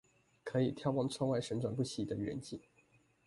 可以眺望窗外旋轉不息的遠景